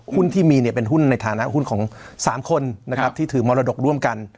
ที่มีเนี่ยเป็นหุ้นในฐานะหุ้นของ๓คนนะครับที่ถือมรดกร่วมกัน